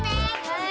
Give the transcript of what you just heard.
semoga hidup juga ya